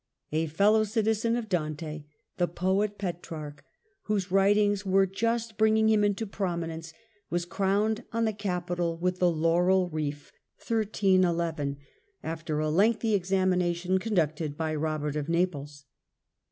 A fellow citizen of Dante, the poet Petrarch, whose writings were just bringing himpetiarcii into prominence, was crowned on the Capitol with the p°g^°^^^'^ laurel wreath, after a lengthy examination conducted byKom^ii34i Eobert of Naples.